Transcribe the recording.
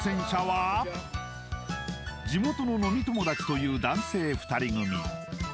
地元の飲み友達という男性２人組